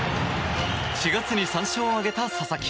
４月に３勝を挙げた佐々木。